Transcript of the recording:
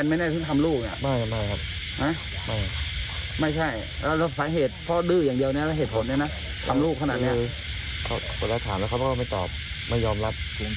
เนี่ยอ่ะ